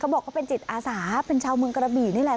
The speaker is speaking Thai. บอกเขาเป็นจิตอาสาเป็นชาวเมืองกระบี่นี่แหละ